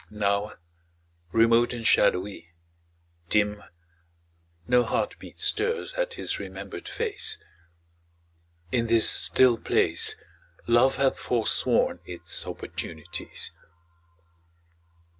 Now, remote and shadowy, dim, No heartbeat stirs at his remembered face. In this still place Love hath forsworn its opportunities.